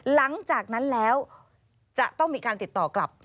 หลังจากนั้นแล้วจะต้องมีการติดต่อกลับ